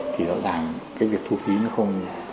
thì rõ ràng cái việc thu phí nó không